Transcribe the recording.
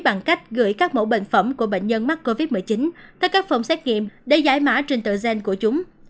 bằng cách gửi các mẫu bệnh phẩm của bệnh nhân mắc covid một mươi chín theo các phòng xét nghiệm để giải mã trên tờ gen của chúng